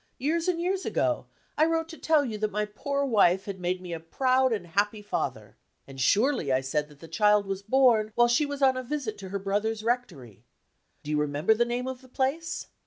Years and years ago, I wrote to tell you that my poor wife had made me a proud and happy father. And surely I said that the child was born while she was on a visit to her brother's rectory. Do you remember the name of the place?